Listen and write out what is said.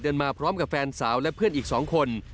มาพร้อมกับแฟนสาวและเพื่อนอีก๒คน